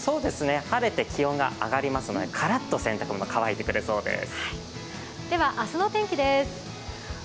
晴れて気温が上がりますので、からっと洗濯物は乾いてくれそうです。